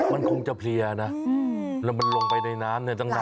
มันคงจะเพลียนะแล้วมันลงไปในน้ำเนี่ยตั้งนาน